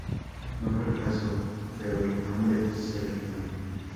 No fue el caso, pero el nombre se le quedó.